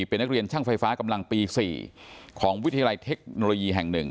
เป็นนักเรียนช่างไฟฟ้ากำลังปี๔ของวิทยาลัยเทคโนโลยีแห่ง๑